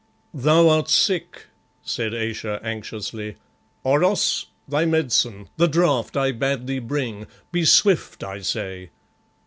"Thou art sick," said Ayesha anxiously. "Oros, thy medicine, the draught I bade thee bring! Be swift, I say."